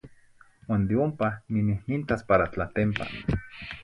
Uan de ompa ninihnintas para Tlatempa.